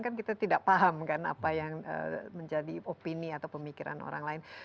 kan kita tidak paham kan apa yang menjadi opini atau pemikiran orang lain